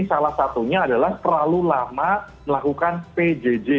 salah satunya adalah terlalu lama melakukan pjj